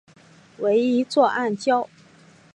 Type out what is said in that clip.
为一座暗礁。